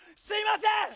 すいません！